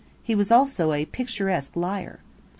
He was also a picturesque liar.